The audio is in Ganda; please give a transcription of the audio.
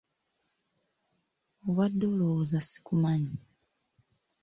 Obadde olowooza sikumanyi?